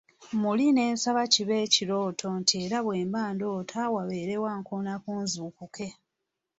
Muli ne nsaba kibe ekirooto nti era bwe mba ndoota wabeewo ankoonako nzuukuke.